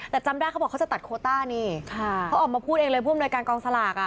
แต่จำได้เขาบอกเขาจะตัดโคต้านี่เขาออกมาพูดเองเลยผู้อำนวยการกองสลากอ่ะ